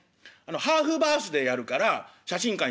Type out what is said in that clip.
「ハーフバースデーやるから写真館予約して」って。